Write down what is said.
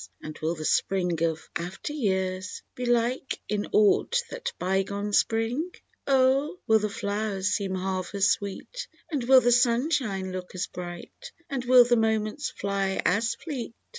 And will the Spring of after years Be like in aught that bygone Spring ? Oh ! will the flow'rs seem half as sweet. And will the sunshine look as bright, And will the moments fly as fleet.